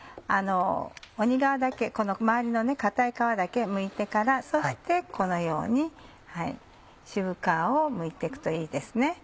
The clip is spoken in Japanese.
鬼皮だけこの周りの硬い皮だけむいてからそしてこのように渋皮をむいて行くといいですね。